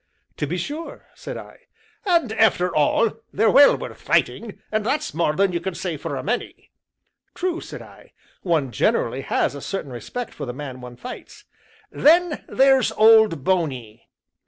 "To be sure!" said I. "And after all they're well worth fighting, and that's more than you can say for a many!" "True," said I, "one generally has a certain respect for the man one fights." "Then there's Old Bony."